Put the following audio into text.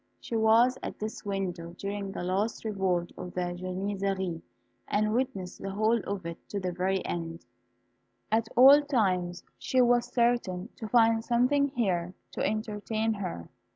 She was at this window during the last revolt of the Janizaries, and witnessed the whole of it to the very end. At all times she was certain to find something here to entertain her.